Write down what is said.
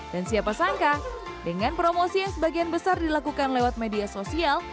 dan siapa sangka dengan promosi yang sebagian besar dilakukan lewat media sosial